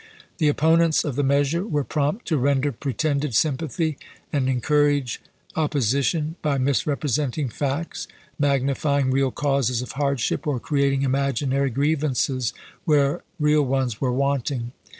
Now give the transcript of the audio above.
The opponents of the measure were prompt to render pretended sympathy and encour age opposition by misrepresenting facts, magnify ing real cases of hardship, or creating imaginary grievances where real ones were wanting.